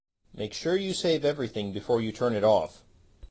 Make sure you save everything before you turn it off.